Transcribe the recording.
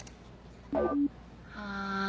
ああ。